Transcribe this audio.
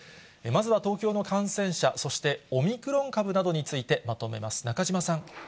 まずは東京の感染者、そしてオミクロン株などについてまとめます。